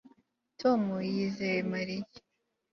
Tom yizeye Mariya